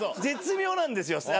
絶妙なんですよ。